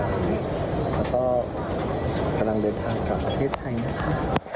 แล้วก็กำลังเดินทางกลับประเทศไทยนะคะ